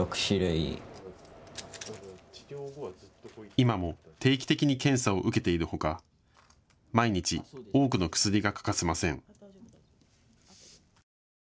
今も定期的に検査を受けているほか毎日、多くの薬が欠かせません。